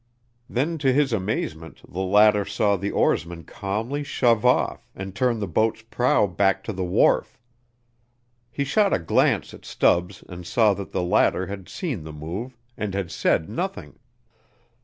Then to his amazement, the latter saw the oarsman calmly shove off and turn the boat's prow back to the wharf. He shot a glance at Stubbs and saw that the latter had seen the move, and had said nothing.